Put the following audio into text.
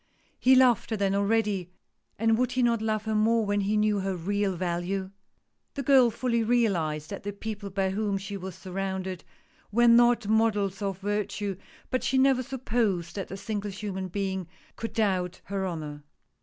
He loved her then already, and would he not love her more when he knew her real value ? The girl fully realized that the people by whom she was surrounded were not models of virtue, but she never supposed that a single human being could doubt her honor.